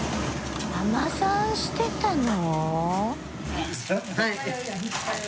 海女さんしてたの？